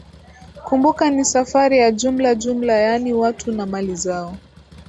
kumbuka ni safari ya jumla jumla yaani watu na mali zao